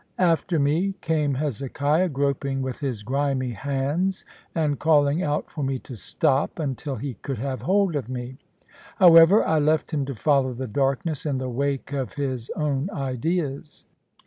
After me came Hezekiah, groping with his grimy hands, and calling out for me to stop, until he could have hold of me. However, I left him to follow the darkness, in the wake of his own ideas.